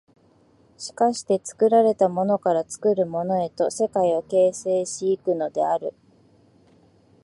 しかして作られたものから作るものへと世界を形成し行くのである。